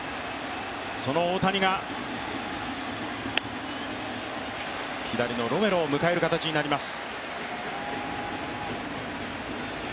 その大谷が左のロメロを迎える形になります。